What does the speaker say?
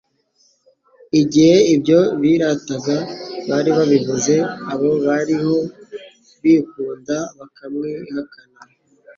igihe ibyo birataga bari babibuze, abo barihl bikunda bakamwihakana,